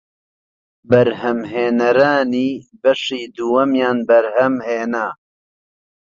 بەرهەمهێنەرانی بەشی دووەمیان بەرهەمهێنا